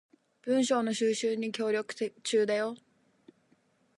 文章の収集に協力中だよ